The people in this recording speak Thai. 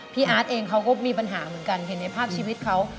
อาร์ตเองเขาก็มีปัญหาเหมือนกันเห็นในภาพชีวิตเขา